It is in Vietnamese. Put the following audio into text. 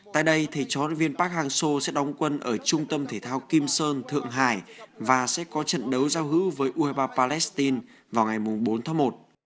tại đây thầy trói viên park hang seo sẽ đóng quân ở trung tâm thể thao kim sơn thượng hải và sẽ có trận đấu giao hữu với u hai mươi ba palestine vào ngày bốn tháng một